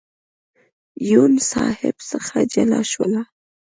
یون صاحب څخه جلا شولو.